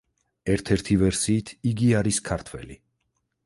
ერთ-ერთი ვერსიით იგი არის ქართველი.